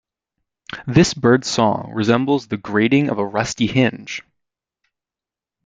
This bird's song resembles the grating of a rusty hinge.